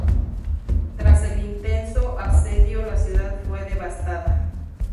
Tras el intenso asedio la ciudad fue devastada.